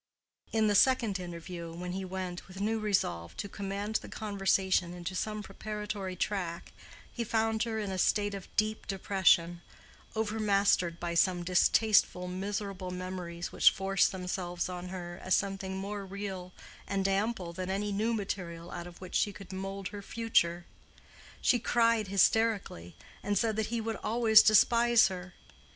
In the second interview, when he went with new resolve to command the conversation into some preparatory track, he found her in a state of deep depression, overmastered by some distasteful miserable memories which forced themselves on her as something more real and ample than any new material out of which she could mould her future. She cried hysterically, and said that he would always despise her.